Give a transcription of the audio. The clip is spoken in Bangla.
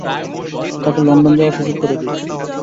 তাকে লন্ডন যাওয়ার সুযোগ করে দেই।